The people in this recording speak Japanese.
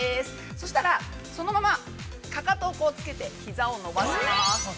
そしたら、そのままかかとをつけて、ひざを伸ばします。